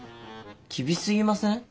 厳しすぎません？